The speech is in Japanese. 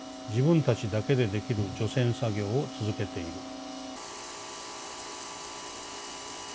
自分たちだけでできる除染作業を続けている」。